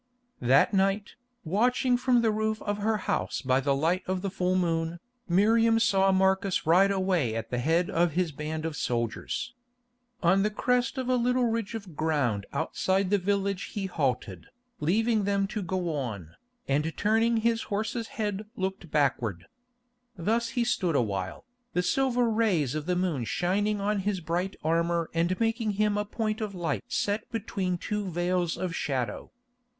That night, watching from the roof of her house by the light of the full moon, Miriam saw Marcus ride away at the head of his band of soldiers. On the crest of a little ridge of ground outside the village he halted, leaving them to go on, and turning his horse's head looked backward. Thus he stood awhile, the silver rays of the moon shining on his bright armour and making him a point of light set between two vales of shadow.